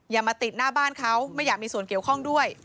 อย่ามาติดหน้าบ้านเขาไม่อยากมีส่วนเกี่ยวข้องด้วย